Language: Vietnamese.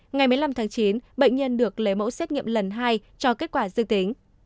ngày một mươi năm tháng chín bệnh nhân được lấy mẫu xét nghiệm lần hai cho kết quả dư tính